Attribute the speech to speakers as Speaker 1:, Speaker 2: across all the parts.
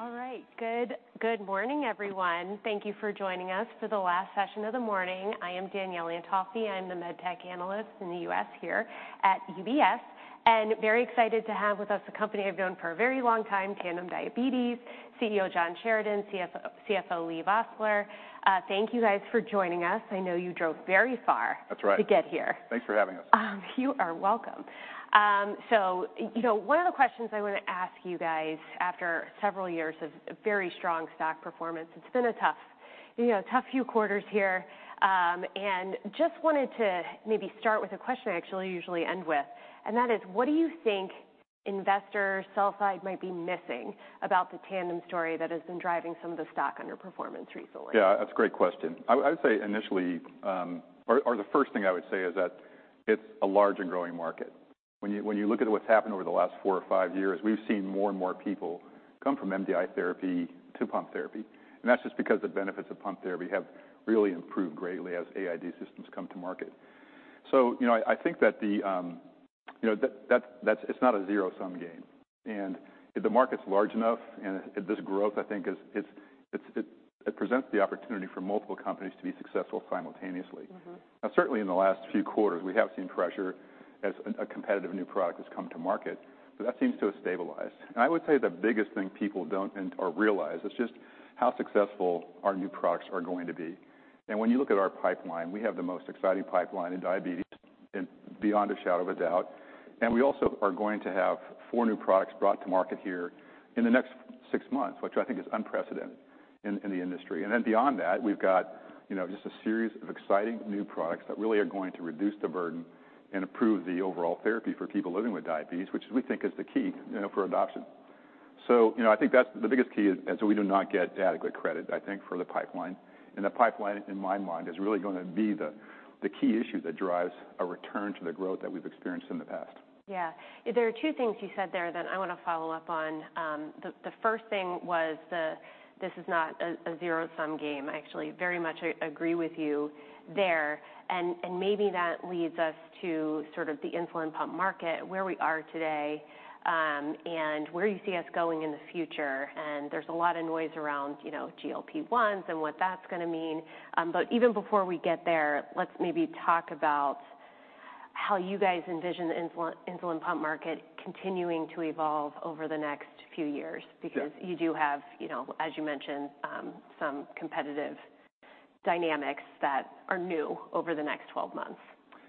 Speaker 1: All right. Good, good morning, everyone. Thank you for joining us for the last session of the morning. I am Danielle Antalffy. I'm the med tech analyst in the U.S. here at UBS, very excited to have with us a company I've known for a very long time, Tandem Diabetes, CEO, John Sheridan, CFO, Leigh Vosseller. Thank you guys for joining us. I know you drove very far-
Speaker 2: That's right.
Speaker 1: to get here.
Speaker 2: Thanks for having us.
Speaker 1: You are welcome. You know, one of the questions I want to ask you guys, after several years of very strong stock performance, it's been a tough, you know, tough few quarters here. Just wanted to maybe start with a question I actually usually end with, and that is: What do you think investors sell side might be missing about the Tandem story that has been driving some of the stock underperformance recently?
Speaker 2: Yeah, that's a great question. I would say initially, or, or the first thing I would say is that it's a large and growing market. When you, when you look at what's happened over the last four or five years, we've seen more and more people come from MDI therapy to pump therapy, and that's just because the benefits of pump therapy have really improved greatly as AID systems come to market. You know, I, I think that the, you know, that, that's, it's not a zero-sum game. If the market's large enough and if this growth, I think is it's, it, it presents the opportunity for multiple companies to be successful simultaneously.
Speaker 1: Mm-hmm.
Speaker 2: Certainly in the last few quarters, we have seen pressure as a competitive new product has come to market, but that seems to have stabilized. I would say the biggest thing people don't or realize is just how successful our new products are going to be. When you look at our pipeline, we have the most exciting pipeline in diabetes, beyond a shadow of a doubt. We also are going to have four new products brought to market here in the next six months, which I think is unprecedented in the industry. Beyond that, we've got, you know, just a series of exciting new products that really are going to reduce the burden and improve the overall therapy for people living with diabetes, which we think is the key, you know, for adoption. You know, I think that's the biggest key is, and so we do not get adequate credit, I think, for the pipeline. The pipeline, in my mind, is really going to be the, the key issue that drives a return to the growth that we've experienced in the past.
Speaker 1: Yeah. There are two things you said there that I want to follow up on. The first thing was, this is not a zero-sum game. I actually very much agree with you there, and, and maybe that leads us to sort of the insulin pump market, where we are today, and where you see us going in the future. There's a lot of noise around, you know, GLP-1s and what that's gonna mean. Even before we get there, let's maybe talk about how you guys envision the insulin, insulin pump market continuing to evolve over the next few years.
Speaker 2: Sure.
Speaker 1: You do have, you know, as you mentioned, some competitive dynamics that are new over the next 12 months.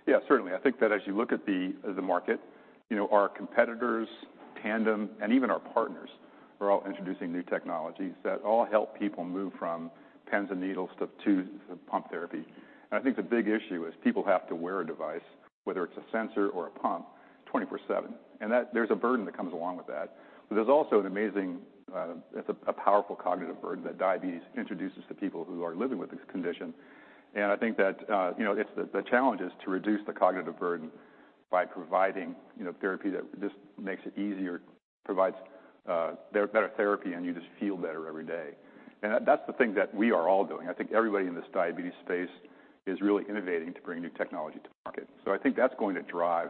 Speaker 2: Yeah, certainly. I think that as you look at the, the market, you know, our competitors, Tandem, and even our partners, are all introducing new technologies that all help people move from pens and needles to, to pump therapy. I think the big issue is people have to wear a device, whether it's a sensor or a pump, 24/7, there's a burden that comes along with that. There's also an amazing, it's a, a powerful cognitive burden that diabetes introduces to people who are living with this condition. I think that, you know, it's the, the challenge is to reduce the cognitive burden by providing, you know, therapy that just makes it easier, provides, better therapy, and you just feel better every day. That, that's the thing that we are all doing. I think everybody in this diabetes space is really innovating to bring new technology to market. I think that's going to drive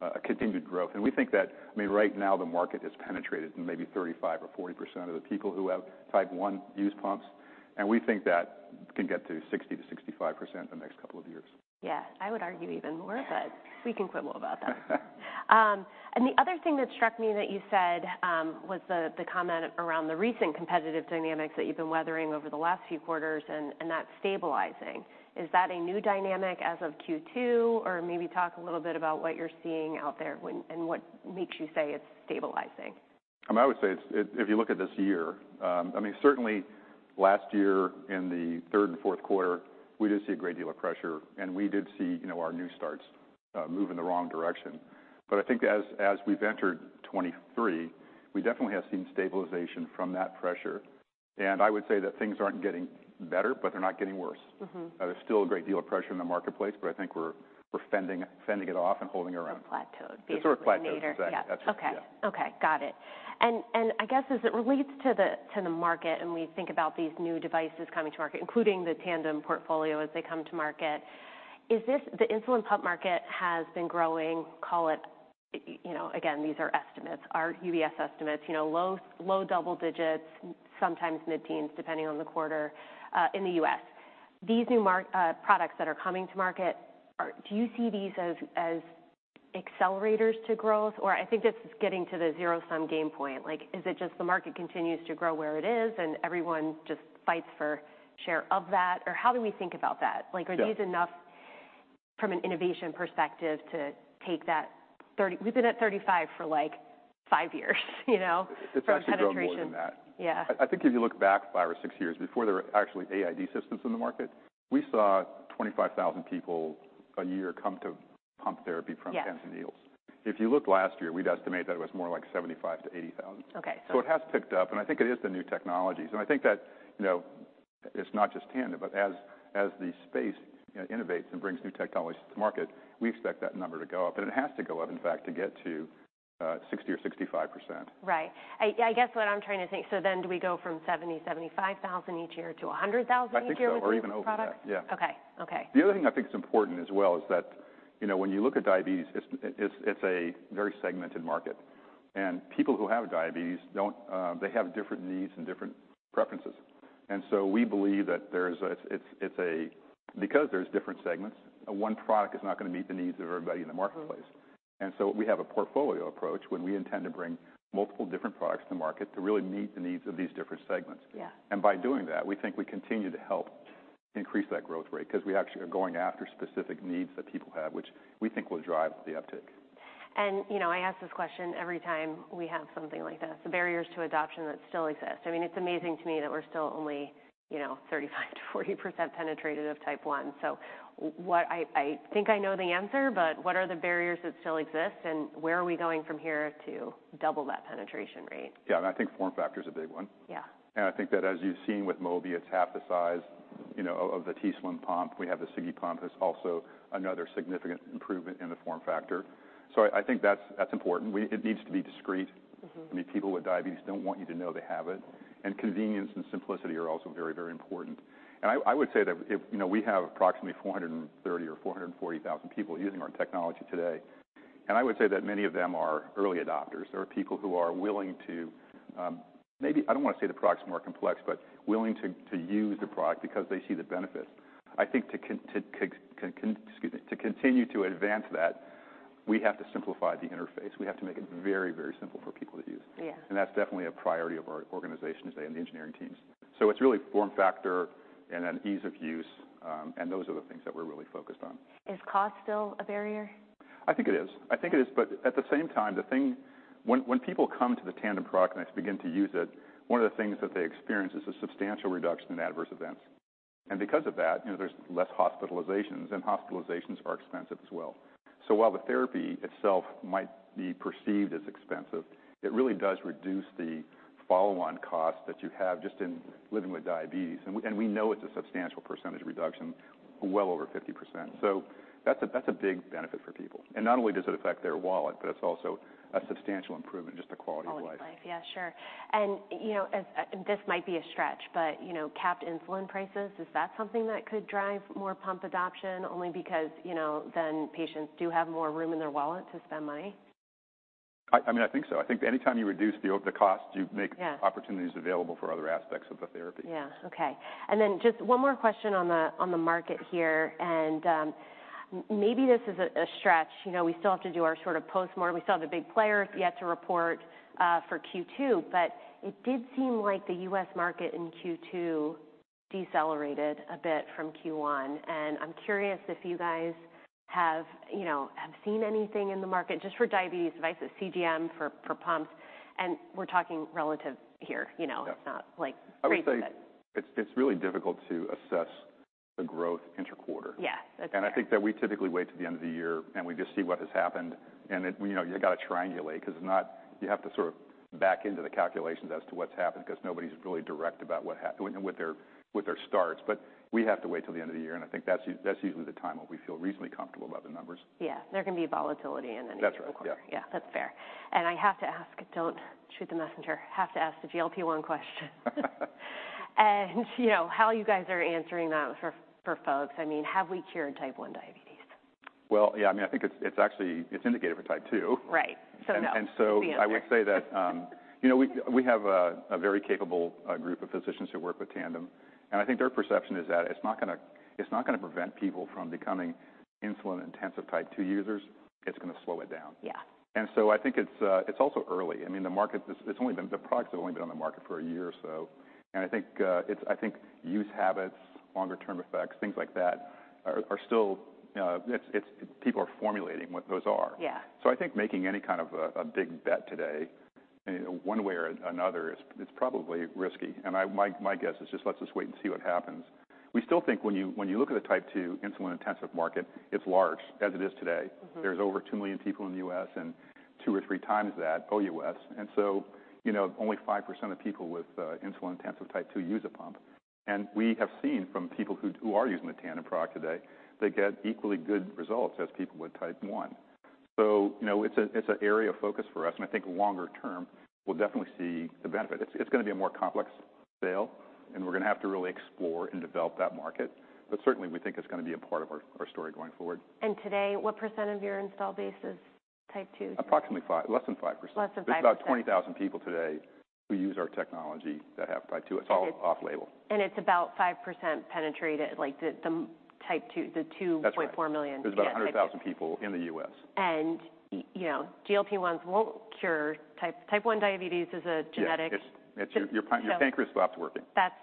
Speaker 2: a continued growth. We think that, I mean, right now, the market has penetrated in maybe 35% or 40% of the people who have Type 1 use pumps, and we think that can get to 60%-65% the next couple of years.
Speaker 1: Yeah. I would argue even more, but we can quibble about that. The other thing that struck me that you said, was the, the comment around the recent competitive dynamics that you've been weathering over the last few quarters, and, and that stabilizing. Is that a new dynamic as of Q2? Or maybe talk a little bit about what you're seeing out there and what makes you say it's stabilizing.
Speaker 2: I would say if, if you look at this year, I mean, certainly last year, in the third and fourth quarter, we did see a great deal of pressure, and we did see, you know, our new starts move in the wrong direction. I think as, as we've entered 2023, we definitely have seen stabilization from that pressure. I would say that things aren't getting better, but they're not getting worse.
Speaker 1: Mm-hmm.
Speaker 2: There's still a great deal of pressure in the marketplace, but I think we're, we're fending, fending it off and holding our own.
Speaker 1: A plateaued basically.
Speaker 2: A sort of plateau.
Speaker 1: Yeah.
Speaker 2: That's it, yeah.
Speaker 1: Okay. Okay, got it. I guess as it relates to the, to the market, and we think about these new devices coming to market, including the Tandem portfolio as they come to market, the insulin pump market has been growing, call it, you know, again, these are estimates, our UBS estimates, you know, low, low double digits, sometimes mid-teens, depending on the quarter, in the U.S. These new products that are coming to market, do you see these as, as accelerators to growth? I think this is getting to the zero-sum game point. Like, is it just the market continues to grow where it is, and everyone just fights for share of that, or how do we think about that?
Speaker 2: Yeah.
Speaker 1: Like, are these enough from an innovation perspective to take that 30? We've been at 35 for, like, 5 years, you know, from penetration.
Speaker 2: It's actually grown more than that.
Speaker 1: Yeah.
Speaker 2: I, I think if you look back five or six years, before there were actually AID systems in the market, we saw 25,000 people a year come to pump therapy from-
Speaker 1: Yeah
Speaker 2: -pens and needles. If you looked last year, we'd estimate that it was more like 75,000-80,000.
Speaker 1: Okay.
Speaker 2: It has ticked up, and I think it is the new technologies. I think that, you know, it's not just Tandem, but as, as the space innovates and brings new technologies to market, we expect that number to go up. It has to go up, in fact, to get to 60% or 65%.
Speaker 1: Right. I guess what I'm trying to think, so then do we go from 70,000-75,000 each year to 100,000 each year with these new products?
Speaker 2: I think so, or even over that. Yeah.
Speaker 1: Okay. Okay.
Speaker 2: The other thing I think is important as well is that, you know, when you look at diabetes, it's, it's, it's a very segmented market, and people who have diabetes don't. They have different needs and different preferences. So we believe that because there's different segments, one product is not going to meet the needs of everybody in the marketplace.
Speaker 1: Mm-hmm.
Speaker 2: So we have a portfolio approach, when we intend to bring multiple different products to market to really meet the needs of these different segments.
Speaker 1: Yeah.
Speaker 2: By doing that, we think we continue to help increase that growth rate, 'cause we actually are going after specific needs that people have, which we think will drive the uptick.
Speaker 1: You know, I ask this question every time we have something like this. The barriers to adoption that still exist, I mean, it's amazing to me that we're still only, you know, 35%-40% penetrated of Type 1. I think I know the answer, but what are the barriers that still exist, and where are we going from here to double that penetration rate?
Speaker 2: Yeah, I think form factor is a big one.
Speaker 1: Yeah.
Speaker 2: I think that, as you've seen with Mobi, it's half the size, you know, of the t:slim pump. We have the Sigi pump, that's also another significant improvement in the form factor. I, I think that's, that's important. It needs to be discreet.
Speaker 1: Mm-hmm.
Speaker 2: I mean, people with diabetes don't want you to know they have it. Convenience and simplicity are also very, very important. I, I would say that if... You know, we have approximately 430,000 or 440,000 people using our technology today, and I would say that many of them are early adopters. They are people who are willing to, maybe, I don't want to say the product's more complex, but willing to use the product because they see the benefit. I think excuse me, to continue to advance that, we have to simplify the interface. We have to make it very, very simple for people to use.
Speaker 1: Yeah.
Speaker 2: That's definitely a priority of our organization today and the engineering teams. It's really form factor and then ease of use, and those are the things that we're really focused on.
Speaker 1: Is cost still a barrier?
Speaker 2: I think it is. I think it is, but at the same time, when people come to the Tandem product and they begin to use it, one of the things that they experience is a substantial reduction in adverse events. Because of that, you know, there's less hospitalizations, and hospitalizations are expensive as well. While the therapy itself might be perceived as expensive, it really does reduce the follow-on costs that you have just in living with diabetes. We know it's a substantial percentage reduction, well over 50%. That's a, that's a big benefit for people. Not only does it affect their wallet, but it's also a substantial improvement, just the quality of life.
Speaker 1: Quality of life. Yeah, sure. You know, This might be a stretch, but, you know, capped insulin prices, is that something that could drive more pump adoption? Only because, you know, then patients do have more room in their wallet to spend money.
Speaker 2: I, I mean, I think so. I think anytime you reduce the, the cost-
Speaker 1: Yeah
Speaker 2: you make opportunities available for other aspects of the therapy.
Speaker 1: Yeah. Okay. Then just one more question on the, on the market here, and maybe this is a, a stretch. You know, we still have to do our sort of postmortem. We still have the big players.
Speaker 2: Yeah...
Speaker 1: yet to report, for Q2. It did seem like the U.S. market in Q2 decelerated a bit from Q1. I'm curious if you guys have, you know, have seen anything in the market, just for diabetes devices, CGM for, for pumps, and we're talking relative here, you know?
Speaker 2: Yeah.
Speaker 1: It's not, like, crazy, but-
Speaker 2: I would say, it's, it's really difficult to assess the growth interquarter.
Speaker 1: Yes, that's fair.
Speaker 2: I think that we typically wait till the end of the year, and we just see what has happened. You know, you've got to triangulate, 'cause it's not. You have to sort of back into the calculations as to what's happened, 'cause nobody's really direct about what with their, with their starts. We have to wait till the end of the year, and I think that's that's usually the time when we feel reasonably comfortable about the numbers.
Speaker 1: Yeah. There can be volatility in any quarter.
Speaker 2: That's right. Yeah.
Speaker 1: Yeah, that's fair. I have to ask, don't shoot the messenger. I have to ask the GLP-1 question. you know, how you guys are answering that for, for folks, I mean, have we cured Type 1 diabetes?
Speaker 2: Well, yeah, I mean, I think it's, it's actually, it's indicated for Type 2.
Speaker 1: Right.
Speaker 2: And, and so-
Speaker 1: is the answer.
Speaker 2: I would say that, you know, we, we have a, a very capable group of physicians who work with Tandem, and I think their perception is that it's not gonna, it's not gonna prevent people from becoming insulin-intensive Type 2 users. It's gonna slow it down.
Speaker 1: Yeah.
Speaker 2: I think it's, it's also early. I mean, the market, the products have only been on the market for one year or so. I think use habits, longer term effects, things like that are, are still. People are formulating what those are.
Speaker 1: Yeah.
Speaker 2: I think making any kind of a big bet today, one way or another, it's probably risky. My guess is just let's just wait and see what happens. We still think when you look at the Type 2 insulin-intensive market, it's large, as it is today.
Speaker 1: Mm-hmm.
Speaker 2: There's over 2 million people in the U.S. and two or three times that, OUS. You know, only 5% of people with insulin-intensive Type 2 use a pump. We have seen from people who, who are using the Tandem product today, they get equally good results as people with Type 1. You know, it's a, it's an area of focus for us, and I think longer term, we'll definitely see the benefit. It's, it's gonna be a more complex sale, and we're gonna have to really explore and develop that market. Certainly, we think it's gonna be a part of our, our story going forward.
Speaker 1: Today, what percent of your installed base is Type 2?
Speaker 2: Approximately less than 5%.
Speaker 1: Less than 5%.
Speaker 2: There's about 20,000 people today who use our technology that have Type 2. It's all off-label.
Speaker 1: It's about 5% penetrated, like, the, the Type 2.
Speaker 2: That's right....
Speaker 1: 2.4 million.
Speaker 2: There's about 100,000 people in the U.S.
Speaker 1: you know, GLP-1s won't cure Type 1 diabetes is a genetic-
Speaker 2: Yeah, it's, it's your, your your pancreas stops working.
Speaker 1: That's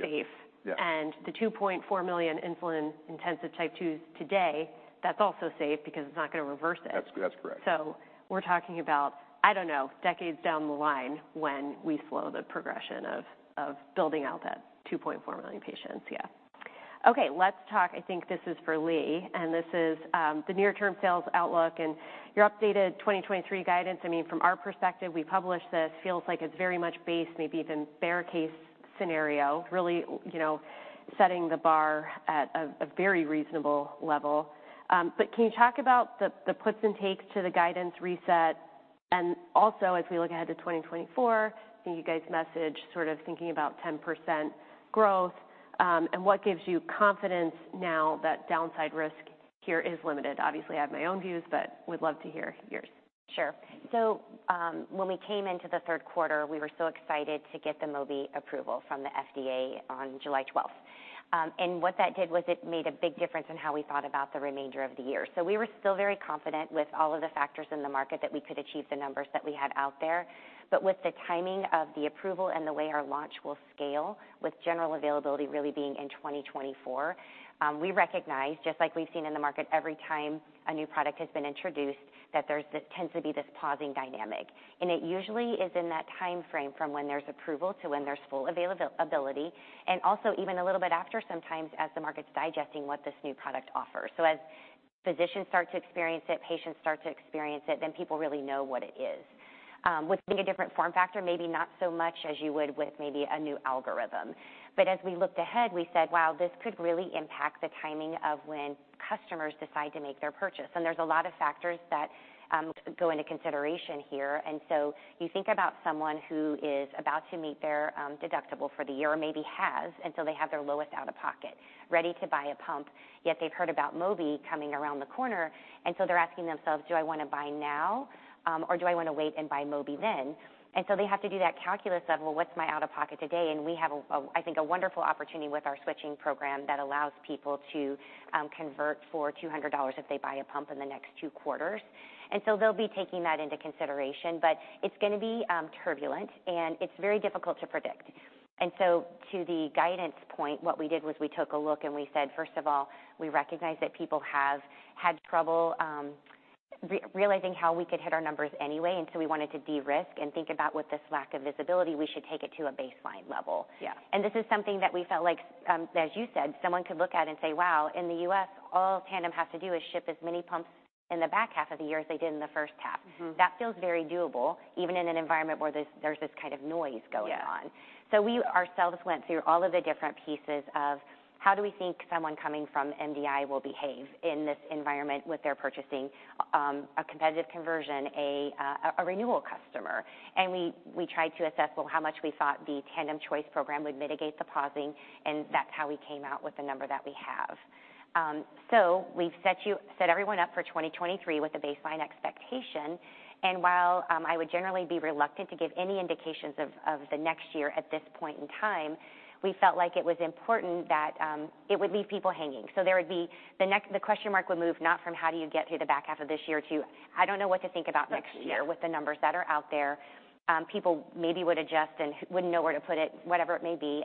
Speaker 1: safe.
Speaker 2: Yeah. Yeah.
Speaker 1: The 2.4 million insulin-intensive Type 2s today, that's also safe because it's not gonna reverse it.
Speaker 2: That's, that's correct.
Speaker 1: We're talking about, I don't know, decades down the line when we slow the progression of, of building out that 2.4 million patients. Yeah. Let's talk. I think this is for Leigh, and this is the near-term sales outlook and your updated 2023 guidance. I mean, from our perspective, we published this. It feels like it's very much based, maybe even bear case scenario, really, you know, setting the bar at a, a very reasonable level. Can you talk about the, the puts and takes to the guidance reset? Also, as we look ahead to 2024, and you guys message sort of thinking about 10% growth, and what gives you confidence now that downside risk here is limited? Obviously, I have my own views, but we'd love to hear yours.
Speaker 3: Sure. When we came into the third quarter, we were so excited to get the Mobi approval from the FDA on July 12th. What that did was it made a big difference in how we thought about the remainder of the year. We were still very confident with all of the factors in the market that we could achieve the numbers that we had out there. With the timing of the approval and the way our launch will scale, with general availability really being in 2024, we recognize, just like we've seen in the market, every time a new product has been introduced, that tends to be this pausing dynamic. It usually is in that time frame from when there's approval to when there's full availability, and also even a little bit after, sometimes as the market's digesting what this new product offers. As physicians start to experience it, patients start to experience it, then people really know what it is. With being a different form factor, maybe not so much as you would with maybe a new algorithm. As we looked ahead, we said: Wow, this could really impact the timing of when customers decide to make their purchase. There's a lot of factors that go into consideration here. You think about someone who is about to meet their deductible for the year or maybe has, and so they have their lowest out-of-pocket, ready to buy a pump, yet they've heard about Mobi coming around the corner, and so they're asking themselves: Do I want to buy now, or do I want to wait and buy Mobi then? They have to do that calculus of, well, what's my out-of-pocket today? We have a, I think, a wonderful opportunity with our switching program that allows people to convert for $200 if they buy a pump in the next two quarters. They'll be taking that into consideration, but it's going to be turbulent, and it's very difficult to predict. To the guidance point, what we did was we took a look, and we said, first of all, we recognize that people have had trouble, realizing how we could hit our numbers anyway, and so we wanted to de-risk and think about with this lack of visibility, we should take it to a baseline level.
Speaker 1: Yeah.
Speaker 3: This is something that we felt like, as you said, someone could look at and say, "Wow, in the U.S., all Tandem has to do is ship as many pumps in the back half of the year as they did in the first half.
Speaker 1: Mm-hmm.
Speaker 3: That feels very doable, even in an environment where there's, there's this kind of noise going on.
Speaker 1: Yeah.
Speaker 3: We ourselves went through all of the different pieces of how do we think someone coming from MDI will behave in this environment with their purchasing, a competitive conversion, a renewal customer. We tried to assess, well, how much we thought the Tandem Choice Program would mitigate the pausing, and that's how we came out with the number that we have. We've set everyone up for 2023 with a baseline expectation, while I would generally be reluctant to give any indications of the next year at this point in time, we felt like it was important that. It would leave people hanging. There would be the question mark would move, not from how do you get through the back half of this year to, I don't know what to think about next year.
Speaker 1: Yes
Speaker 3: - with the numbers that are out there. People maybe would adjust and wouldn't know where to put it, whatever it may be.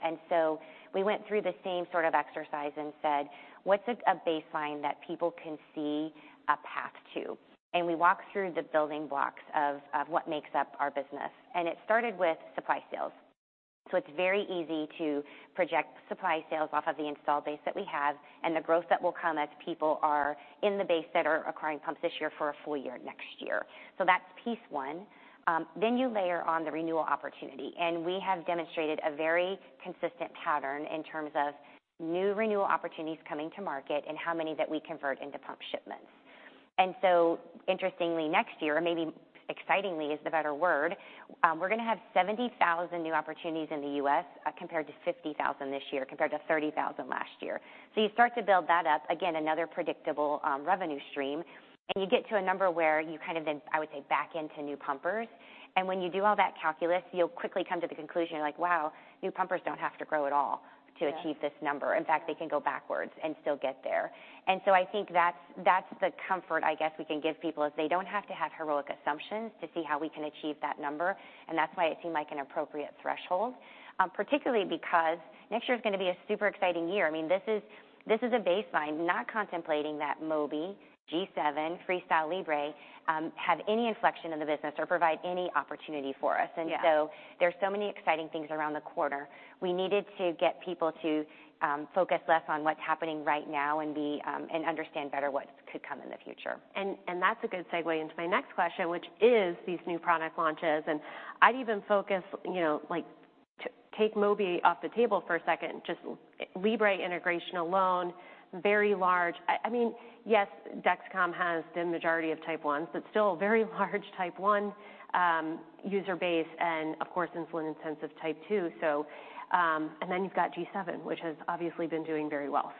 Speaker 3: We went through the same sort of exercise and said: What's a, a baseline that people can see a path to? We walked through the building blocks of, of what makes up our business, and it started with supply sales. It's very easy to project supply sales off of the installed base that we have and the growth that will come as people are in the base that are acquiring pumps this year for a full year next year. That's piece one. You layer on the renewal opportunity, and we have demonstrated a very consistent pattern in terms of new renewal opportunities coming to market and how many that we convert into pump shipments. Interestingly, next year, or maybe excitingly, is the better word, we're going to have 70,000 new opportunities in the U.S. compared to 50,000 this year, compared to 30,000 last year. You start to build that up, again, another predictable revenue stream, and you get to a number where you kind of then, I would say, back into new pumpers. When you do all that calculus, you'll quickly come to the conclusion, like, wow, new pumpers don't have to grow at all.
Speaker 1: Yeah
Speaker 3: to achieve this number. In fact, they can go backwards and still get there. So I think that's, that's the comfort, I guess, we can give people, is they don't have to have heroic assumptions to see how we can achieve that number, and that's why it seemed like an appropriate threshold. Particularly because next year is going to be a super exciting year. I mean, this is, this is a baseline, not contemplating that Mobi, G7, FreeStyle Libre have any inflection in the business or provide any opportunity for us.
Speaker 1: Yeah.
Speaker 3: There are so many exciting things around the corner. We needed to get people to focus less on what's happening right now and be and understand better what could come in the future.
Speaker 1: That's a good segue into my next question, which is these new product launches. I'd even focus, you know, like, take Mobi off the table for a second, just Libre integration alone, very large. I mean, yes, Dexcom has the majority of Type 1s, but still a very large Type 1 user base, and of course, insulin-intensive Type 2. And then you've got G7, which has obviously been doing very well.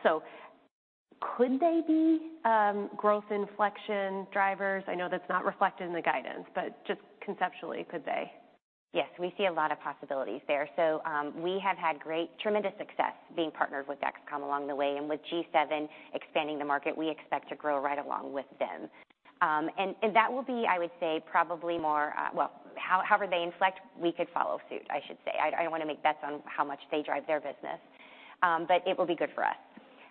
Speaker 1: Could they be growth inflection drivers? I know that's not reflected in the guidance, but just conceptually, could they?
Speaker 3: Yes, we see a lot of possibilities there. We have had great, tremendous success being partnered with Dexcom along the way, and with G7 expanding the market, we expect to grow right along with them. And that will be, I would say, probably more. Well, however they inflect, we could follow suit, I should say. I don't want to make bets on how much they drive their business, but it will be good for us.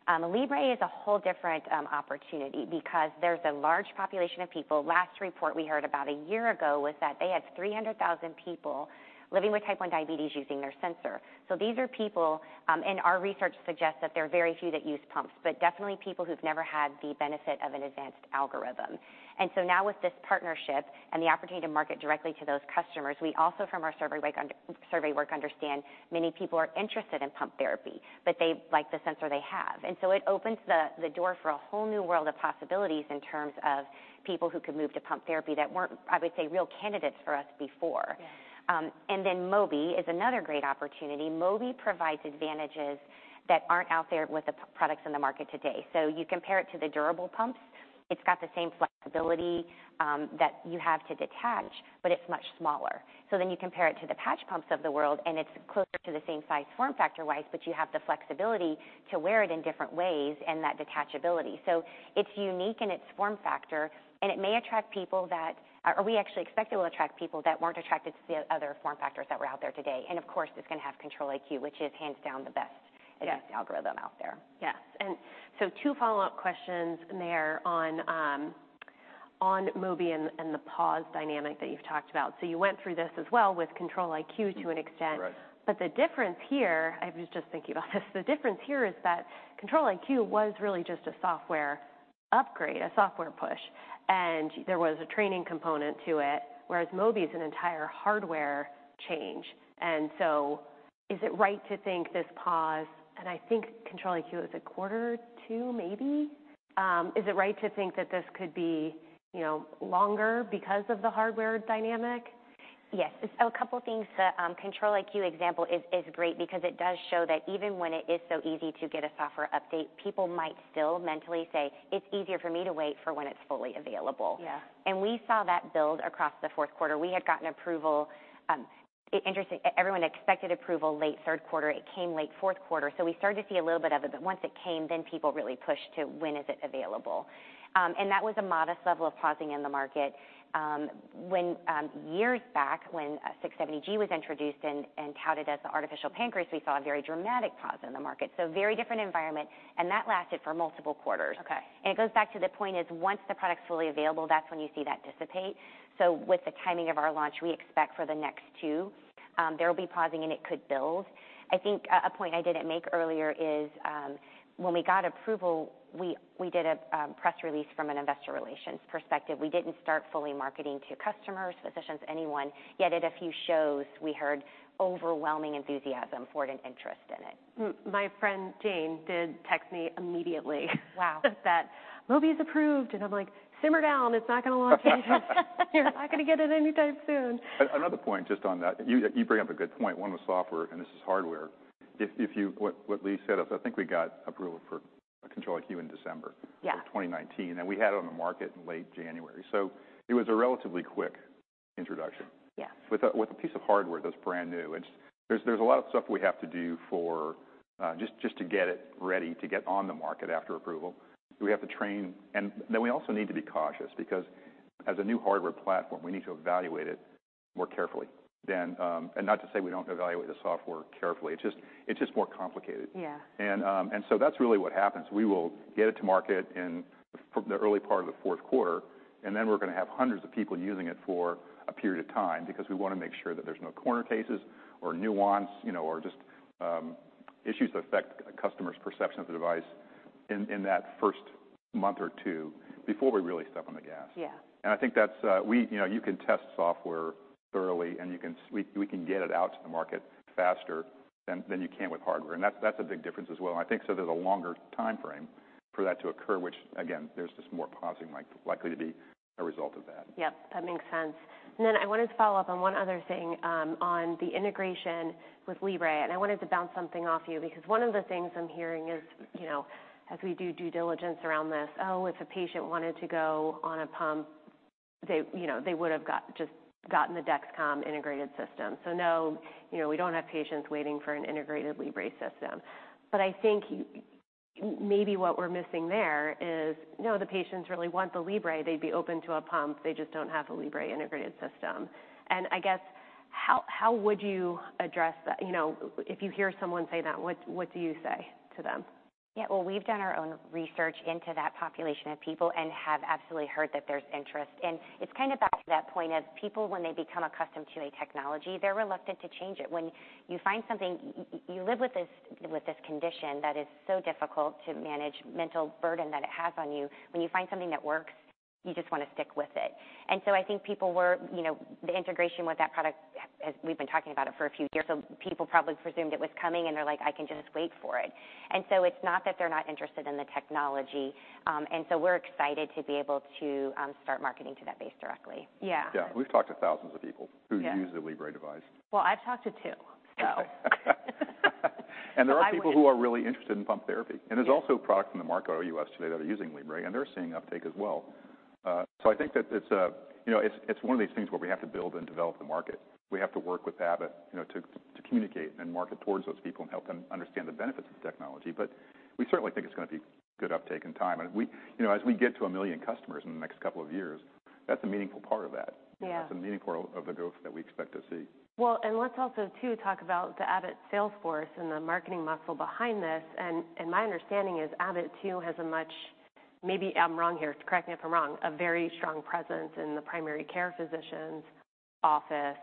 Speaker 3: Libre is a whole different opportunity because there's a large population of people. Last report we heard about a year ago was that they had 300,000 people living with Type 1 diabetes, using their sensor. These are people, and our research suggests that there are very few that use pumps, but definitely people who've never had the benefit of an advanced algorithm. Now with this partnership and the opportunity to market directly to those customers, we also, from our survey work, understand many people are interested in pump therapy, but they like the sensor they have. It opens the door for a whole new world of possibilities in terms of people who could move to pump therapy that weren't, I would say, real candidates for us before.
Speaker 1: Yes.
Speaker 3: Mobi is another great opportunity. Mobi provides advantages that aren't out there with the products on the market today. You compare it to the durable pumps, it's got the same flexibility that you have to detach, but it's much smaller. You compare it to the patch pumps of the world, it's closer to the same size, form factor-wise, but you have the flexibility to wear it in different ways and that detachability. It's unique in its form factor, and it may attract people that... Or we actually expect it will attract people that weren't attracted to the other form factors that were out there today. Of course, it's gonna have Control-IQ, which is hands down the best-
Speaker 1: Yes
Speaker 3: algorithm out there.
Speaker 1: Yes, two follow-up questions there on, on Mobi and, and the pause dynamic that you've talked about. You went through this as well with Control-IQ, to an extent.
Speaker 2: Right.
Speaker 1: The difference here, I was just thinking about this the difference here is that Control-IQ was really just a software upgrade, a software push, and there was a training component to it, whereas Mobi is an entire hardware change. Is it right to think this pause, and I think Control-IQ was a quarter, two, maybe? Is it right to think that this could be, you know, longer because of the hardware dynamic?
Speaker 3: Yes. A couple things. The Control-IQ example is, is great because it does show that even when it is so easy to get a software update, people might still mentally say, "It's easier for me to wait for when it's fully available.
Speaker 1: Yeah.
Speaker 3: We saw that build across the fourth quarter. We had gotten approval, everyone expected approval late third quarter. It came late fourth quarter, so we started to see a little bit of it. Once it came, then people really pushed to, "When is it available?" And that was a modest level of pausing in the market. When years back, when 670G was introduced and, and touted as the artificial pancreas, we saw a very dramatic pause in the market, so very different environment, and that lasted for multiple quarters.
Speaker 1: Okay.
Speaker 3: It goes back to the point is, once the product's fully available, that's when you see that dissipate. With the timing of our launch, we expect for the next two, there will be pausing, and it could build. I think a, a point I didn't make earlier is, when we got approval, we, we did a, press release from an investor relations perspective. We didn't start fully marketing to customers, physicians, anyone. At a few shows, we heard overwhelming enthusiasm for it and interest in it.
Speaker 1: Hmm, my friend Jane did text me immediately.
Speaker 3: Wow!
Speaker 1: That, "Mobi's approved," and I'm like, "Simmer down. It's not gonna launch anytime. You're not gonna get it anytime soon.
Speaker 2: Another point, just on that, you, you bring up a good point. One was software, and this is hardware. What Leigh said, I think we got approval for Control-IQ in December.
Speaker 3: Yeah
Speaker 2: - of 2019, and we had it on the market in late January. It was a relatively quick introduction.
Speaker 3: Yes.
Speaker 2: With a, with a piece of hardware that's brand new, it's, there's, there's a lot of stuff we have to do for, just to get it ready to get on the market after approval. We have to train, and then we also need to be cautious because as a new hardware platform, we need to evaluate it more carefully than,... Not to say we don't evaluate the software carefully, it's just, it's just more complicated.
Speaker 3: Yeah.
Speaker 2: That's really what happens. We will get it to market in the early part of the fourth quarter, and then we're gonna have hundreds of people using it for a period of time because we wanna make sure that there's no corner cases or nuance, you know, or just issues that affect customers' perception of the device in, in that first month or two, before we really step on the gas.
Speaker 3: Yeah.
Speaker 2: I think that's, you know, you can test software thoroughly, and we can get it out to the market faster than you can with hardware, and that's a big difference as well. I think so there's a longer timeframe for that to occur, which again, there's just more pausing like, likely to be a result of that.
Speaker 1: Yep, that makes sense. I wanted to follow up on one other thing, on the integration with Libre, and I wanted to bounce something off you. One of the things I'm hearing is, you know, as we do due diligence around this, "Oh, if a patient wanted to go on a pump, they, you know, they would've just gotten the Dexcom integrated system. No, you know, we don't have patients waiting for an integrated Libre system." I think maybe what we're missing there is, "No, the patients really want the Libre. They'd be open to a pump. They just don't have the Libre integrated system." I guess, how, how would you address that? You know, if you hear someone say that, what, what do you say to them?
Speaker 3: Yeah. Well, we've done our own research into that population of people and have absolutely heard that there's interest. It's kind of back to that point of people, when they become accustomed to a technology, they're reluctant to change it. When you find something, you live with this, with this condition that is so difficult to manage, mental burden that it has on you, when you find something that works, you just wanna stick with it. So I think people were, you know, the integration with that product, as we've been talking about it for a few years, so people probably presumed it was coming, and they're like, I can just wait for it. So it's not that they're not interested in the technology, and so we're excited to be able to, start marketing to that base directly.
Speaker 1: Yeah.
Speaker 2: Yeah. We've talked to thousands of people-
Speaker 1: Yeah
Speaker 2: who use the Libre device.
Speaker 1: Well, I've talked to two, so.
Speaker 2: There are people who are really interested in pump therapy.
Speaker 1: Yeah.
Speaker 2: There's also a product in the market, or U.S. today, that are using Libre, and they're seeing uptake as well. I think that it's, you know, it's, it's one of these things where we have to build and develop the market. We have to work with Abbott, you know, to, to communicate and market towards those people and help them understand the benefits of the technology. We certainly think it's gonna be key. Good uptake in time. We, you know, as we get to 1 million customers in the next two years, that's a meaningful part of that.
Speaker 1: Yeah.
Speaker 2: That's a meaningful part of the growth that we expect to see.
Speaker 1: Well, let's also, too, talk about the Abbott sales force and the marketing muscle behind this. My understanding is Abbott, too, has a much... Maybe I'm wrong here. Correct me if I'm wrong, a very strong presence in the primary care physician's office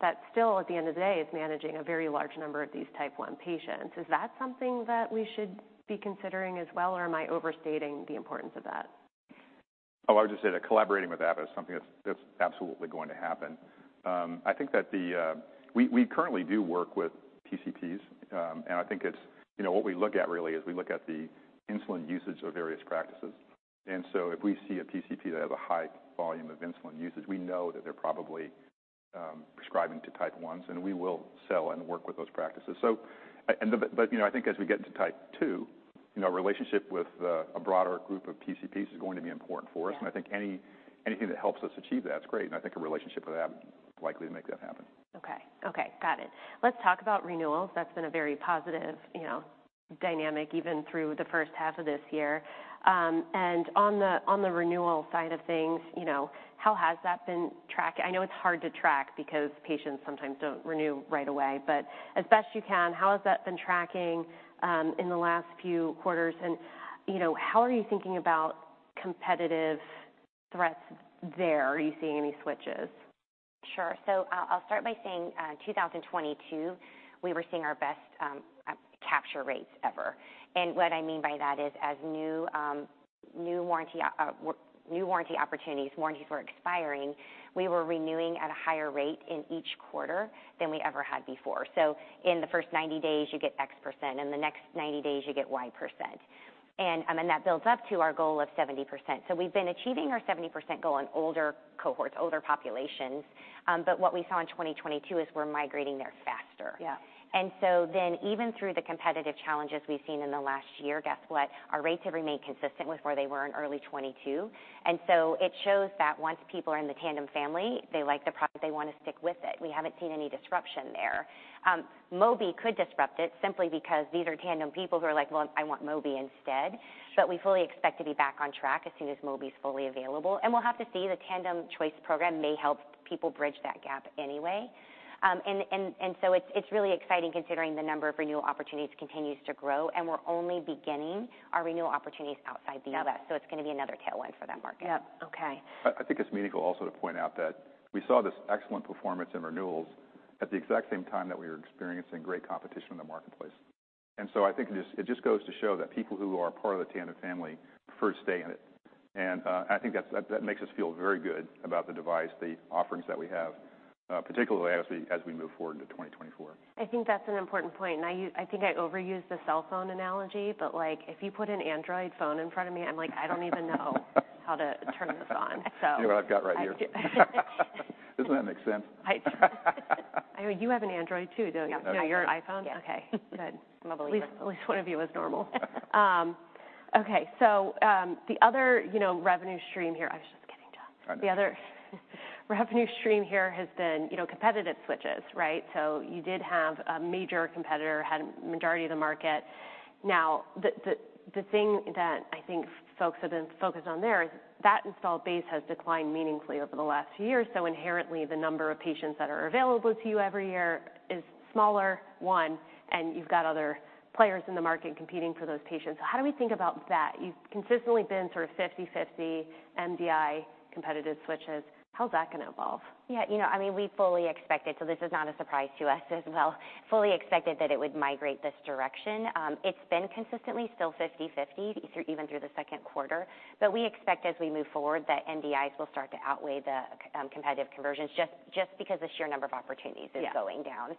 Speaker 1: that still, at the end of the day, is managing a very large number of these Type 1 patients. Is that something that we should be considering as well, or am I overstating the importance of that?
Speaker 2: Oh, I would just say that collaborating with Abbott is something that's, that's absolutely going to happen. I think that the we, we currently do work with PCPs, and I think it's, you know, what we look at really is we look at the insulin usage of various practices. If we see a PCP that has a high volume of insulin usage, we know that they're probably prescribing to Type 1s, and we will sell and work with those practices. But, you know, I think as we get into Type 2, you know, our relationship with a broader group of PCPs is going to be important for us.
Speaker 1: Yeah.
Speaker 2: I think anything that helps us achieve that is great, I think a relationship with Abbott is likely to make that happen.
Speaker 1: Okay. Okay, got it. Let's talk about renewals. That's been a very positive, you know, dynamic, even through the first half of this year. On the, on the renewal side of things, you know, how has that been tracked? I know it's hard to track because patients sometimes don't renew right away, but as best you can, how has that been tracking, in the last few quarters? You know, how are you thinking about competitive threats there? Are you seeing any switches?
Speaker 3: Sure. I'll, I'll start by saying, 2022, we were seeing our best capture rates ever. What I mean by that is, as new new warranty new warranty opportunities, warranties were expiring, we were renewing at a higher rate in each quarter than we ever had before. In the first 90 days, you get X%, in the next 90 days, you get Y%. That builds up to our goal of 70%. We've been achieving our 70% goal in older cohorts, older populations, but what we saw in 2022 is we're migrating there faster.
Speaker 1: Yeah.
Speaker 3: Even through the competitive challenges we've seen in the last year, guess what? Our rates have remained consistent with where they were in early 2022. It shows that once people are in the Tandem family, they like the product, they want to stick with it. We haven't seen any disruption there. Mobi could disrupt it simply because these are Tandem people who are like: "Well, I want Mobi instead.
Speaker 1: Sure.
Speaker 3: We fully expect to be back on track as soon as Mobi is fully available, and we'll have to see. The Tandem Choice Program may help people bridge that gap anyway. And so it's really exciting considering the number of renewal opportunities continues to grow, and we're only beginning our renewal opportunities outside the U.S.
Speaker 1: Got it.
Speaker 3: It's going to be another tailwind for that market.
Speaker 1: Yep. Okay.
Speaker 2: I, I think it's meaningful also to point out that we saw this excellent performance in renewals at the exact same time that we were experiencing great competition in the marketplace. I think it just, it just goes to show that people who are part of the Tandem family prefer to stay in it. I think that makes us feel very good about the device, the offerings that we have, particularly as we, as we move forward into 2024.
Speaker 1: I think that's an important point, and I think I overuse the cell phone analogy, but, like, if you put an Android phone in front of me, I'm like I don't even know how to turn this on.
Speaker 2: See what I've got right here. Doesn't that make sense?
Speaker 1: I know you have an Android, too, don't you?
Speaker 2: Yeah.
Speaker 1: No, you're an iPhone?
Speaker 3: Yeah.
Speaker 1: Okay, good.
Speaker 3: I'm a believer.
Speaker 1: At least one of you is normal. Okay. The other, you know, revenue stream here. I was just kidding, John.
Speaker 2: Right.
Speaker 1: The other revenue stream here has been, you know, competitive switches, right? You did have a major competitor, had a majority of the market. Now, the, the, the thing that I think folks have been focused on there is that installed base has declined meaningfully over the last year. Inherently, the number of patients that are available to you every year is smaller, one, and you've got other players in the market competing for those patients. How do we think about that? You've consistently been sort of 50/50 MDI competitive switches. How's that going to evolve?
Speaker 3: Yeah, you know, I mean, we fully expect it, so this is not a surprise to us as well. Fully expected that it would migrate this direction. It's been consistently still 50/50, even through the second quarter. We expect, as we move forward, that MDIs will start to outweigh the competitive conversions just, just because the sheer number of opportunities-
Speaker 1: Yeah...
Speaker 3: is going down.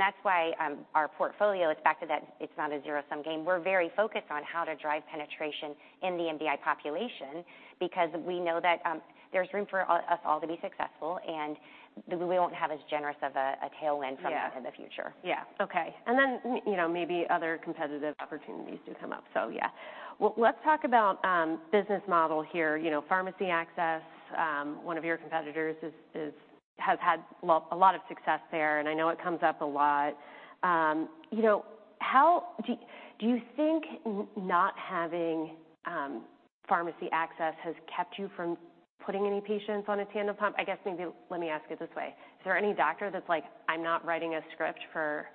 Speaker 3: That's why, our portfolio is back to that. It's not a zero-sum game. We're very focused on how to drive penetration in the MDI population because we know that, there's room for us all to be successful, and we won't have as generous of a, a tailwind from-
Speaker 1: Yeah
Speaker 3: here in the future.
Speaker 1: Yeah. Okay. Then, you know, maybe other competitive opportunities do come up. Yeah. Well, let's talk about business model here. You know, pharmacy access, one of your competitors has had a lot, a lot of success there, and I know it comes up a lot. You know, do you think not having pharmacy access has kept you from putting any patients on a Tandem pump? I guess maybe let me ask it this way: Is there any doctor that's like, "I'm not writing a script for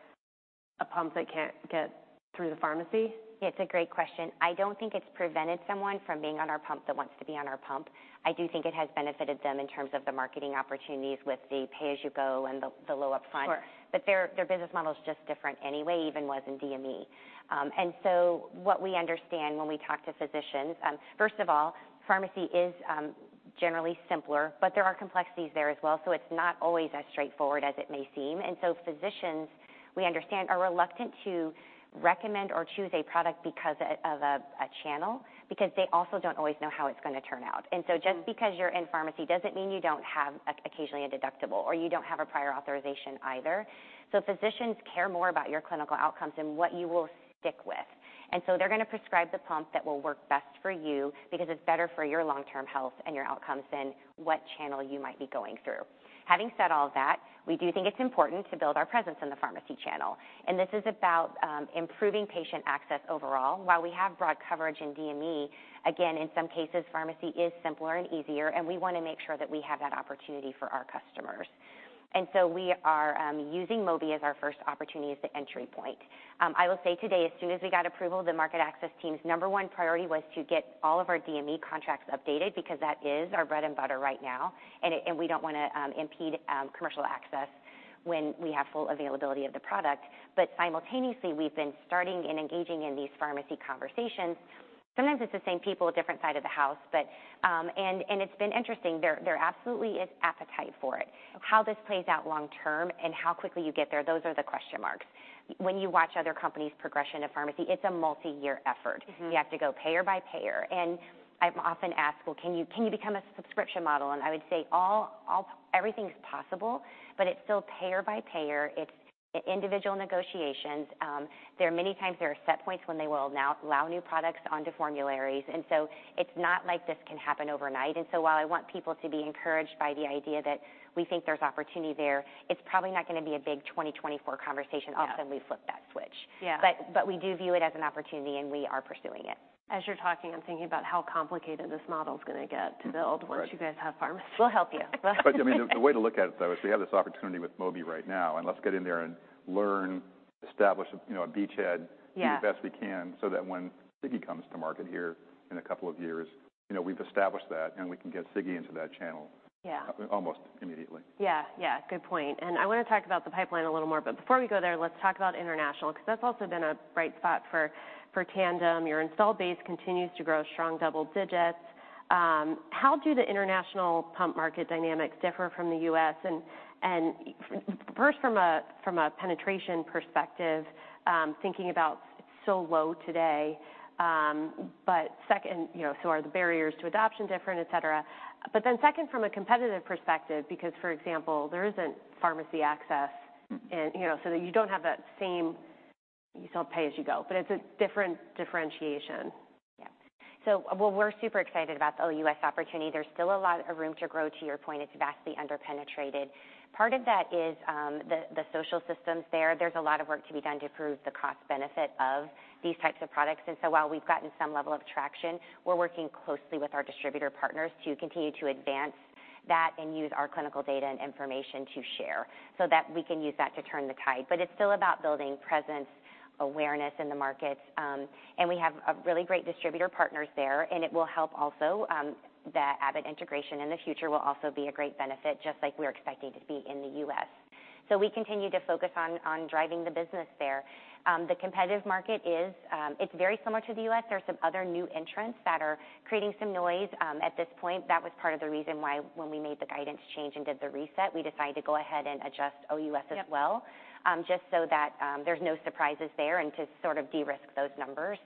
Speaker 1: a pump that can't get through the pharmacy?
Speaker 3: It's a great question. I don't think it's prevented someone from being on our pump that wants to be on our pump. I do think it has benefited them in terms of the marketing opportunities with the pay-as-you-go and the low upfront.
Speaker 1: Sure.
Speaker 3: Their, their business model is just different anyway, even was in DME. What we understand when we talk to physicians, first of all, pharmacy is generally simpler, but there are complexities there as well, so it's not always as straightforward as it may seem. Physicians, we understand, are reluctant to recommend or choose a product because of, of a, a channel, because they also don't always know how it's going to turn out.
Speaker 1: Mm-hmm.
Speaker 3: Just because you're in pharmacy, doesn't mean you don't have occasionally a deductible or you don't have a prior authorization either. Physicians care more about your clinical outcomes and what you will stick with, and so they're going to prescribe the pump that will work best for you because it's better for your long-term health and your outcomes than what channel you might be going through. Having said all of that, we do think it's important to build our presence in the pharmacy channel, and this is about improving patient access overall. While we have broad coverage in DME, again, in some cases, pharmacy is simpler and easier, and we want to make sure that we have that opportunity for our customers. We are using Mobi as our first opportunity as the entry point. I will say today, as soon as we got approval, the market access team's number one priority was to get all of our DME contracts updated, because that is our bread and butter right now, and we don't wanna impede commercial access when we have full availability of the product. Simultaneously, we've been starting and engaging in these pharmacy conversations. Sometimes it's the same people, different side of the house. It's been interesting. There, there absolutely is appetite for it. How this plays out long term and how quickly you get there, those are the question marks. When you watch other companies' progression to pharmacy, it's a multiyear effort.
Speaker 1: Mm-hmm.
Speaker 3: You have to go payer by payer. I'm often asked, "Well, can you become a subscription model?" I would say everything is possible, but it's still payer by payer. It's individual negotiations. There are many times there are set points when they will allow new products onto formularies, and so it's not like this can happen overnight. While I want people to be encouraged by the idea that we think there's opportunity there, it's probably not gonna be a big 2024 conversation.
Speaker 1: Yeah
Speaker 3: All of a sudden, we flip that switch.
Speaker 1: Yeah.
Speaker 3: We do view it as an opportunity, and we are pursuing it.
Speaker 1: As you're talking, I'm thinking about how complicated this model is gonna get to build.
Speaker 2: Right.
Speaker 1: Once you guys have pharmacy.
Speaker 3: We'll help you.
Speaker 2: I mean, the way to look at it, though, is we have this opportunity with Mobi right now, and let's get in there and learn, establish a, you know, a beachhead.
Speaker 1: Yeah
Speaker 2: Do the best we can so that when Sigi comes to market here in a couple of years, you know, we've established that, and we can get Sigi into that channel.
Speaker 1: Yeah
Speaker 2: almost immediately.
Speaker 1: Yeah, yeah. Good point. I wanna talk about the pipeline a little more, Before we go there, let's talk about international, 'cause that's also been a bright spot for, for Tandem. Your installed base continues to grow strong double digits. How do the international pump market dynamics differ from the U.S.? First, from a penetration perspective, thinking about so low today, Second, you know, so are the barriers to adoption different, et cetera. Then second, from a competitive perspective, because, for example, there isn't pharmacy access-
Speaker 3: Mm-hmm.
Speaker 1: You know, so you don't have that same... You still pay as you go, but it's a different differentiation.
Speaker 3: Yeah. Well, we're super excited about the OUS opportunity. There's still a lot of room to grow. To your point, it's vastly underpenetrated. Part of that is the social systems there. There's a lot of work to be done to prove the cost benefit of these types of products. While we've gotten some level of traction, we're working closely with our distributor partners to continue to advance that and use our clinical data and information to share, so that we can use that to turn the tide. It's still about building presence, awareness in the markets, and we have a really great distributor partners there, and it will help also, the Abbott integration in the future will also be a great benefit, just like we're expecting to be in the U.S. We continue to focus on, on driving the business there. The competitive market is, it's very similar to the U.S. There are some other new entrants that are creating some noise. At this point, that was part of the reason why when we made the guidance change and did the reset, we decided to go ahead and adjust OUS as well.
Speaker 1: Yep.
Speaker 3: Just so that, there's no surprises there and to sort of de-risk those numbers.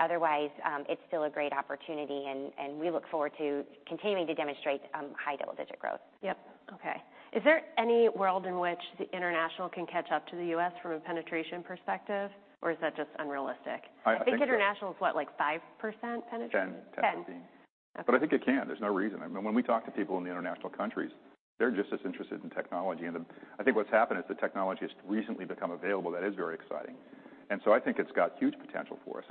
Speaker 3: Otherwise, it's still a great opportunity, and, and we look forward to continuing to demonstrate, high double-digit growth.
Speaker 1: Yep. Okay. Is there any world in which the international can catch up to the U.S. from a penetration perspective, or is that just unrealistic?
Speaker 2: I-
Speaker 1: I think international is what? Like, 5% penetration.
Speaker 2: 10, 10, 15.
Speaker 1: 10.
Speaker 2: I think it can. There's no reason. I mean, when we talk to people in the international countries, they're just as interested in technology. I think what's happened is the technology has recently become available, that is very exciting. I think it's got huge potential for us.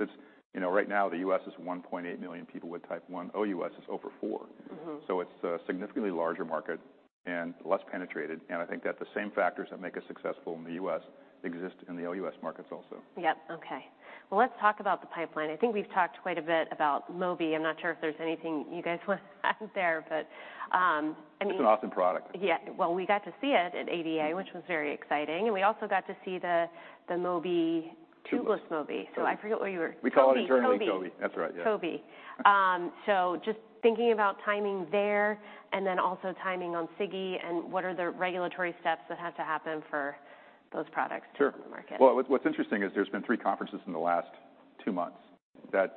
Speaker 2: You know, right now, the U.S. is 1.8 million people with Type 1. OUS is over 4.
Speaker 1: Mm-hmm.
Speaker 2: It's a significantly larger market and less penetrated, and I think that the same factors that make us successful in the U.S. exist in the OUS markets also.
Speaker 1: Yep. Okay. Well, let's talk about the pipeline. I think we've talked quite a bit about Mobi. I'm not sure if there's anything you guys want to add there, but, I mean.
Speaker 2: It's an awesome product.
Speaker 1: Yeah. Well, we got to see it at ADA, which was very exciting. We also got to see the, the Mobi-
Speaker 2: Two.
Speaker 1: Tubeless Mobi.
Speaker 2: Two.
Speaker 1: I forget what you were.
Speaker 2: We call it internally.
Speaker 1: Tobi.
Speaker 2: Tobi. That's right, yeah.
Speaker 1: Tobi. Just thinking about timing there and then also timing on Sigi. What are the regulatory steps that have to happen for those products?
Speaker 2: Sure
Speaker 1: to hit the market?
Speaker 2: Well, what's, what's interesting is there's been three conferences in the last two months that.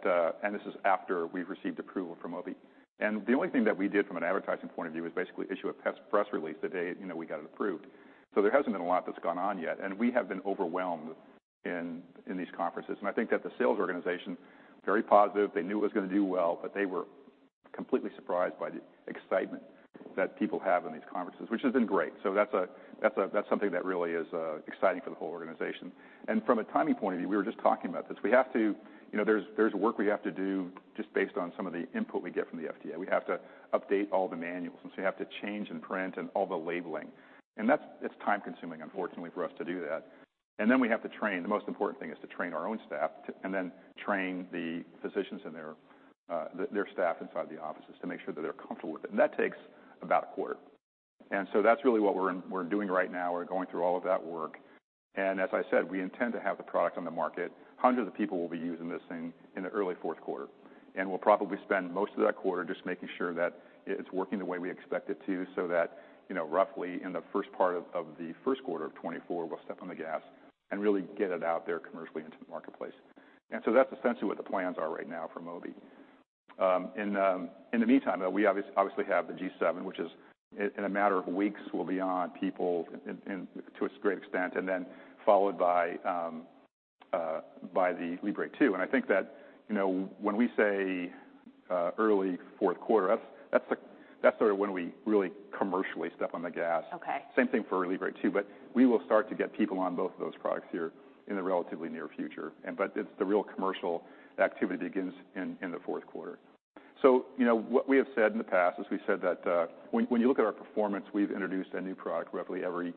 Speaker 2: This is after we've received approval for Mobi. The only thing that we did from an advertising point of view was basically issue a press, press release the day, you know, we got it approved. There hasn't been a lot that's gone on yet, and we have been overwhelmed in, in these conferences, and I think that the sales organization, very positive, they knew it was gonna do well, but they were completely surprised by the excitement that people have in these conferences, which has been great. That's a, that's a-- that's something that really is exciting for the whole organization. From a timing point of view, we were just talking about this. We have to... You know, there's, there's work we have to do just based on some of the input we get from the FDA. We have to update all the manuals, and so we have to change and print and all the labeling, it's time-consuming, unfortunately, for us to do that. we have to train. The most important thing is to train our own staff, and then train the physicians and their staff inside the offices to make sure that they're comfortable with it, and that takes about a quarter. that's really what we're doing right now. We're going through all of that work, and as I said, we intend to have the product on the market. Hundreds of people will be using this thing in the early fourth quarter, and we'll probably spend most of that quarter just making sure that it, it's working the way we expect it to, so that, you know, roughly in the first part of, of the first quarter of 2024, we'll step on the gas and really get it out there commercially into the marketplace. So that's essentially what the plans are right now for Tandem Mobi. In the, in the meantime, though, we obviously have the Dexcom G7, which is, in, in a matter of weeks, will be on people in, in, to a great extent, and then followed by Libre 2. I think that, you know, when we say early fourth quarter, that's, that's the-- that's sort of when we really commercially step on the gas.
Speaker 1: Okay.
Speaker 2: Same thing for Libre 2, but we will start to get people on both of those products here in the relatively near future. It's the real commercial activity begins in the fourth quarter. You know, what we have said in the past is, we've said that, when, when you look at our performance, we've introduced a new product roughly every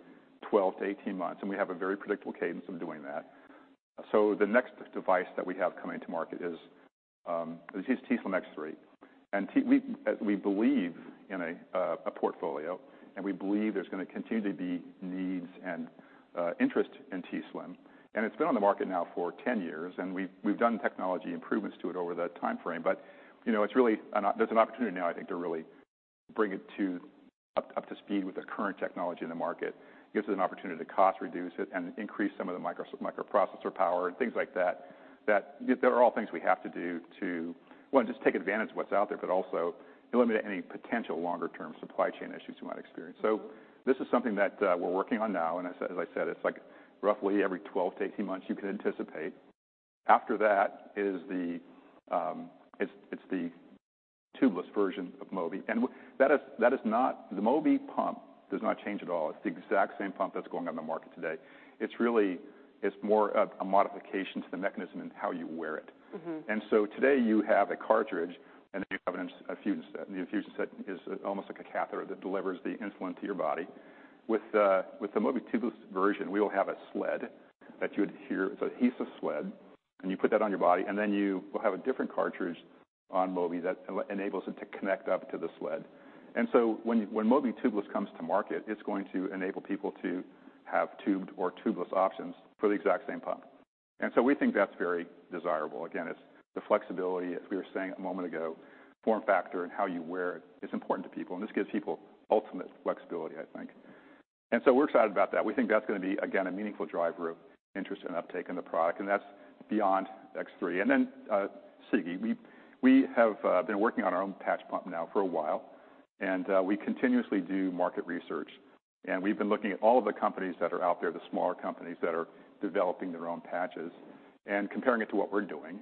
Speaker 2: 12-18 months, and we have a very predictable cadence of doing that. The next device that we have coming to market is t:slim X3. We believe in a, a, a portfolio, and we believe there's gonna continue to be needs and interest in t:slim. It's been on the market now for 10 years, and we've, we've done technology improvements to it over that timeframe. You know, it's really there's an opportunity now, I think, to really bring it up to speed with the current technology in the market. It gives us an opportunity to cost reduce it, and increase some of the microprocessor power, and things like that. These are all things we have to do to, one, just take advantage of what's out there, but also eliminate any potential longer-term supply chain issues you might experience. This is something that we're working on now, and as I said, it's, like, roughly every 12-18 months, you can anticipate. After that is the, it's the tubeless version of Mobi. That is not the Mobi pump does not change at all. It's the exact same pump that's going on the market today. It's more of a modification to the mechanism in how you wear it.
Speaker 1: Mm-hmm.
Speaker 2: Today, you have a cartridge and you have an infusion set. The infusion set is almost like a catheter that delivers the insulin to your body. With the Mobi tubeless version, we will have a sled that you adhere. It's an adhesive sled, and you put that on your body, and then you will have a different cartridge on Mobi that enables it to connect up to the sled. When Mobi tubeless comes to market, it's going to enable people to have tubed or tubeless options for the exact same pump. We think that's very desirable. Again, it's the flexibility, as we were saying a moment ago, form factor, and how you wear it is important to people, and this gives people ultimate flexibility, I think. We're excited about that. We think that's going to be, again, a meaningful driver of interest and uptake in the product, and that's beyond X3. Then Sigi, we, we have been working on our own patch pump now for a while, and we continuously do market research. We've been looking at all of the companies that are out there, the smaller companies that are developing their own patches, and comparing it to what we're doing.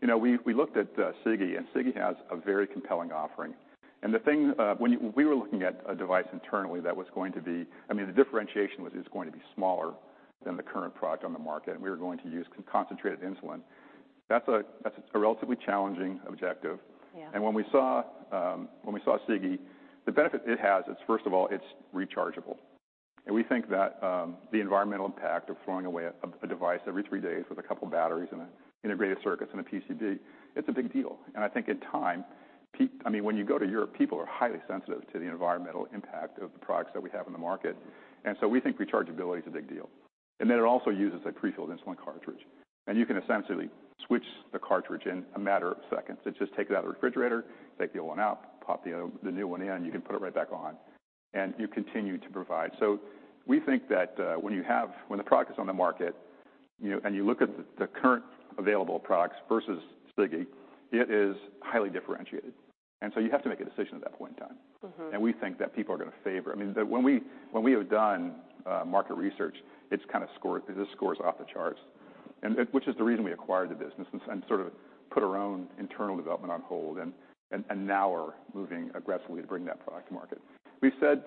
Speaker 2: You know, we, we looked at Sigi, and Sigi has a very compelling offering. The thing, When we were looking at a device internally, that was going to be, I mean, the differentiation was just going to be smaller than the current product on the market, and we were going to use concentrated insulin. That's a, that's a relatively challenging objective.
Speaker 1: Yeah.
Speaker 2: When we saw, when we saw Sigi, the benefit it has is, first of all, it's rechargeable. We think that, the environmental impact of throwing away a, a device every three days with a couple batteries, and an integrated circuit, and a PCB, it's a big deal. I think in time, people, I mean, when you go to Europe, people are highly sensitive to the environmental impact of the products that we have on the market, and so we think rechargeability is a big deal. Then it also uses a prefilled insulin cartridge, and you can essentially switch the cartridge in a matter of seconds. It's just take it out of the refrigerator, take the old one out, pop the old the new one in, you can put it right back on, and you continue to provide. We think that when the product is on the market, you know, and you look at the current available products versus Sigi, it is highly differentiated. You have to make a decision at that point in time.
Speaker 1: Mm-hmm.
Speaker 2: We think that people are I mean, when we, when we have done market research, it's kind of scored, it scores off the charts, and which is the reason we acquired the business, and sort of put our own internal development on hold, and now are moving aggressively to bring that product to market. We've said,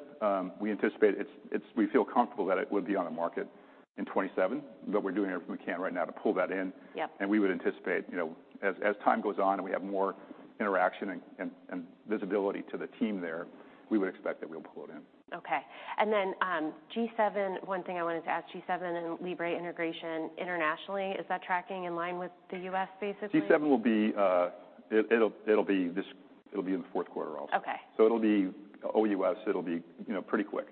Speaker 2: we anticipate it's, we feel comfortable that it would be on the market in 2027, but we're doing everything we can right now to pull that in.
Speaker 1: Yep.
Speaker 2: We would anticipate, you know, as, as time goes on and we have more interaction and, and, and visibility to the team there, we would expect that we'll pull it in.
Speaker 1: Okay. Then, G7, one thing I wanted to ask, G7 and Libre integration internationally, is that tracking in line with the U.S. basically?
Speaker 2: G7 will be in the fourth quarter also.
Speaker 1: Okay.
Speaker 2: It'll be OUS. It'll be, you know, pretty quick.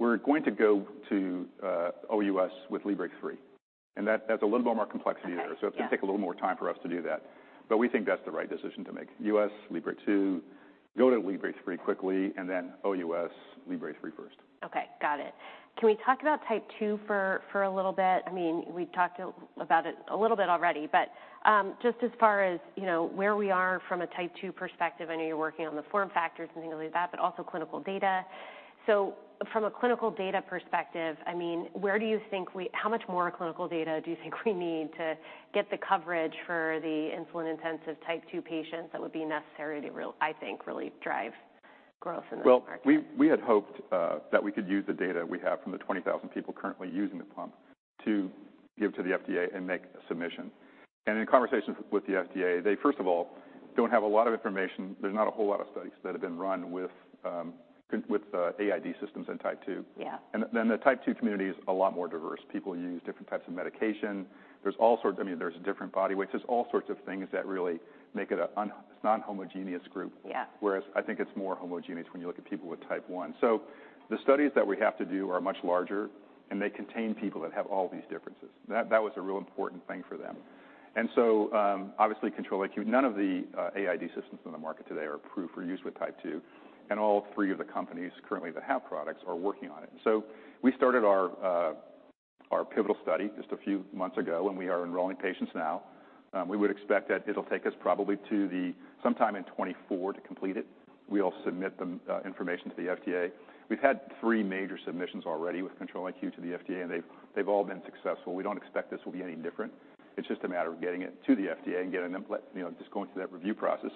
Speaker 2: We're going to go to OUS with Libre 3, that's a little more complexity there.
Speaker 1: Okay. Yeah.
Speaker 2: It's gonna take a little more time for us to do that, but we think that's the right decision to make. U.S., Libre 2, go to Libre 3 quickly, and then OUS, Libre 3 first.
Speaker 1: Okay, got it. Can we talk about Type 2 for, for a little bit? I mean, we've talked a, about it a little bit already, but, just as far as, you know, where we are from a Type 2 perspective, I know you're working on the form factors and things like that, but also clinical data. From a clinical data perspective, I mean, where do you think we-- how much more clinical data do you think we need to get the coverage for the insulin-intensive Type 2 patients that would be necessary to real- I think, really drive growth in the market?
Speaker 2: Well, we, we had hoped that we could use the data we have from the 20,000 people currently using the pump to give to the FDA and make a submission. In conversations with the FDA, they, first of all, don't have a lot of information. There's not a whole lot of studies that have been run with, with AID systems in Type 2.
Speaker 1: Yeah.
Speaker 2: Then, the Type 2 community is a lot more diverse. People use different types of medication. I mean, there's different body weights. There's all sorts of things that really make it a non-homogeneous group.
Speaker 1: Yeah.
Speaker 2: Whereas I think it's more homogeneous when you look at people with Type 1. The studies that we have to do are much larger, and they contain people that have all these differences. That, that was a real important thing for them. Obviously, Control-IQ, none of the AID systems on the market today are approved for use with Type 2, and all three of the companies currently that have products are working on it. We started our pivotal study just a few months ago, and we are enrolling patients now. We would expect that it'll take us probably sometime in 2024 to complete it. We'll submit the information to the FDA. We've had three major submissions already with Control-IQ to the FDA, and they've, they've all been successful. We don't expect this will be any different. It's just a matter of getting it to the FDA and getting them, you know, just going through that review process.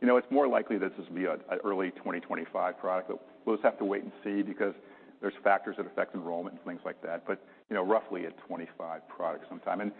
Speaker 2: You know, it's more likely this will be an early 2025 product, but we'll just have to wait and see because there's factors that affect enrollment and things like that. You know, roughly a 2025 product sometime.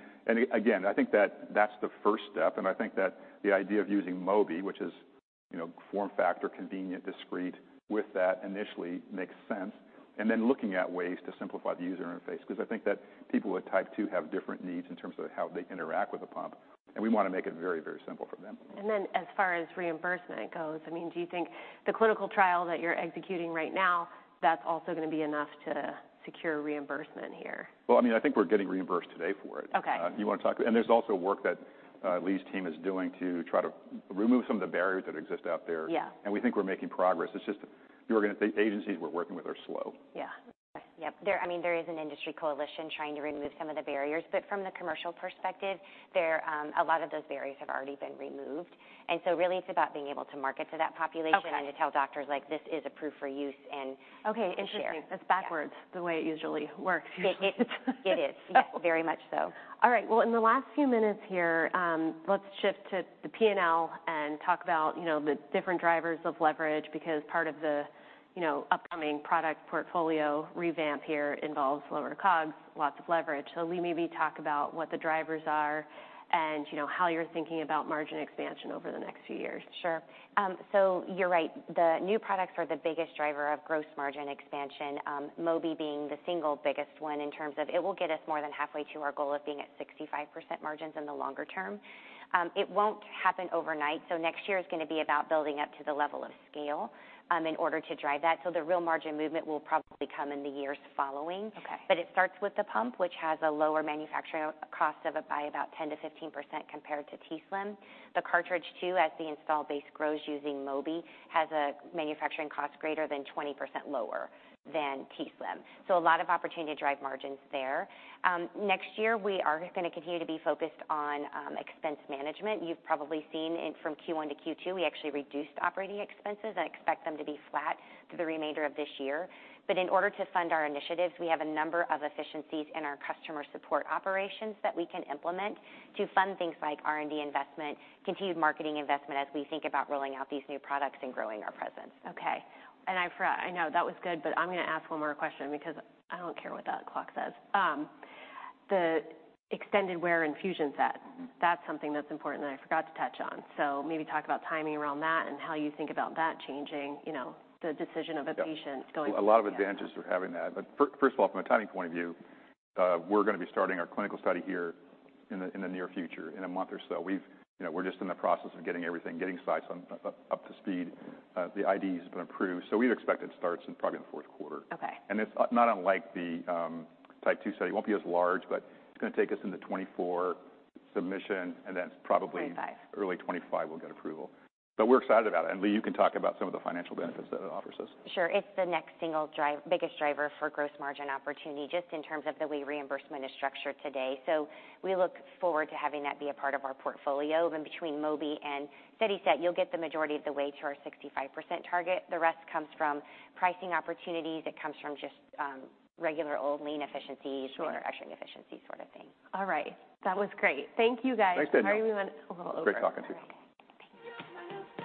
Speaker 2: Again, I think that that's the first step, and I think that the idea of using Mobi, which you know, form factor, convenient, discrete with that initially makes sense, and then looking at ways to simplify the user interface. Because I think that people with Type 2 have different needs in terms of how they interact with the pump, and we want to make it very, very simple for them.
Speaker 1: Then as far as reimbursement goes, I mean, do you think the clinical trial that you're executing right now, that's also going to be enough to secure reimbursement here?
Speaker 2: Well, I mean, I think we're getting reimbursed today for it.
Speaker 1: Okay.
Speaker 2: There's also work that, Leigh's team is doing to try to remove some of the barriers that exist out there.
Speaker 1: Yeah.
Speaker 2: We think we're making progress. It's just the agencies we're working with are slow.
Speaker 3: Yeah. Yep. There, I mean, there is an industry coalition trying to remove some of the barriers, but from the commercial perspective, there, a lot of those barriers have already been removed, and so really, it's about being able to market to that population-
Speaker 1: Okay.
Speaker 3: to tell doctors, like, this is approved for use and...
Speaker 1: Okay, interesting.
Speaker 3: Sure.
Speaker 1: It's backwards, the way it usually works.
Speaker 3: It, it, it is, yes, very much so.
Speaker 1: All right. Well, in the last few minutes here, let's shift to the P&L and talk about, you know, the different drivers of leverage, because part of the, you know, upcoming product portfolio revamp here involves lower COGS, lots of leverage. Leigh, maybe talk about what the drivers are and, you know, how you're thinking about margin expansion over the next few years.
Speaker 3: Sure. So you're right, the new products are the biggest driver of gross margin expansion. Mobi being the single biggest one in terms of it will get us more than halfway to our goal of being at 65% margins in the longer term. It won't happen overnight, so next year is gonna be about building up to the level of scale, in order to drive that. The real margin movement will probably come in the years following.
Speaker 1: Okay.
Speaker 3: It starts with the pump, which has a lower manufacturing cost of it by about 10%-15% compared to t:slim. The cartridge, too, as the installed base grows using Mobi, has a manufacturing cost greater than 20% lower than t:slim, so a lot of opportunity to drive margins there. Next year, we are gonna continue to be focused on expense management. You've probably seen in from Q1 to Q2, we actually reduced operating expenses and expect them to be flat through the remainder of this year. In order to fund our initiatives, we have a number of efficiencies in our customer support operations that we can implement to fund things like R&D investment, continued marketing investment as we think about rolling out these new products and growing our presence.
Speaker 1: Okay, I know that was good, but I'm gonna ask one more question because I don't care what that clock says. The extended wear infusion set.
Speaker 3: Mm-hmm.
Speaker 1: That's something that's important that I forgot to touch on. Maybe talk about timing around that and how you think about that changing, you know, the decision of a patient.
Speaker 2: Yeah
Speaker 1: going forward.
Speaker 2: A lot of advantages of having that. First of all, from a timing point of view, we're gonna be starting our clinical study here in the, in the near future, in a month or so. We've, you know, we're just in the process of getting everything, getting sites up, up to speed. The IDE has been approved. We'd expect it starts in probably the fourth quarter.
Speaker 1: Okay.
Speaker 2: It's not unlike the Type 2 study. It won't be as large, but it's gonna take us into 2024 submission, and then probably-
Speaker 1: 2025...
Speaker 2: early 2025, we'll get approval. We're excited about it. Leigh, you can talk about some of the financial benefits that it offers us.
Speaker 3: Sure. It's the next single drive- biggest driver for gross margin opportunity, just in terms of the way reimbursement is structured today. We look forward to having that be a part of our portfolio. Between Mobi and SteadiSet, you'll get the majority of the way to our 65% target. The rest comes from pricing opportunities. It comes from just, regular old lean efficiencies.
Speaker 1: Sure...
Speaker 3: and or efficiency sort of thing.
Speaker 1: All right. That was great. Thank you, guys.
Speaker 2: Thanks, Danielle.
Speaker 1: Sorry we went a little over.
Speaker 2: Great talking to you.
Speaker 3: All right. Thanks.